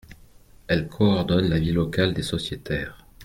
Elles coordonnent la vie locale des sociétaires.